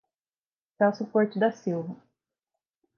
Celso Porto da Silva